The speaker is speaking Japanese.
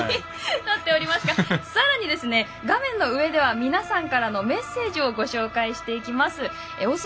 さらに、画面の上では皆さんからのメッセージをご紹介していきます。